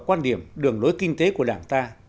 quan điểm đường lối kinh tế của đảng ta